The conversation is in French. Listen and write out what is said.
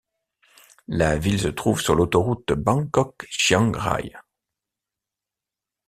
La ville se trouve sur l'autoroute Bangkok-Chiang Rai.